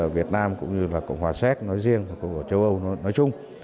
việt nam cũng như cộng hòa séc nói riêng cộng hòa châu âu nói chung